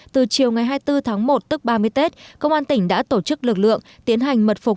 từ chiều ngày hai mươi bốn tháng một tức ba mươi tết công an tỉnh đã tổ chức lực lượng tiến hành mật phục